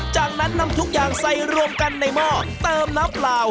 จากนั้นนำทุกอย่างใส่รวมกันในหม้อเติมน้ำเปล่า